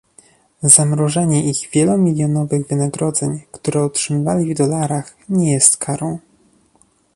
Zamrożenie ich wielomilionowych wynagrodzeń, które otrzymywali w dolarach, nie jest karą